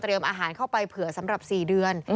อาหารเข้าไปเผื่อสำหรับ๔เดือน